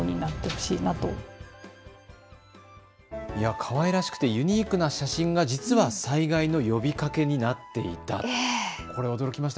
かわいらしくて、ユニークな写真が実は災害の呼びかけになっていた、これは驚きました。